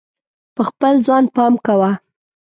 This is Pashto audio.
په خپل ځان پام کوه.